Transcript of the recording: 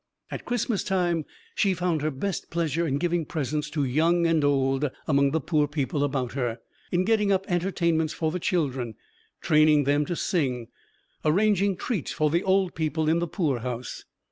At Christmas time she found her best pleasure in giving presents to young and old among the poor people about her, in getting up entertainments for the children, training them to sing, arranging treats for the old people in the poorhouse.